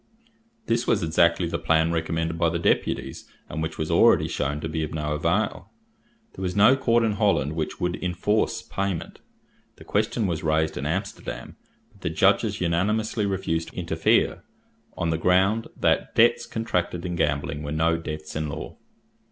This was exactly the plan recommended by the deputies, and which was already shewn to be of no avail. There was no court in Holland which would enforce payment. The question was raised in Amsterdam, but the judges unanimously refused to interfere, on the ground that debts contracted in gambling were no debts in law.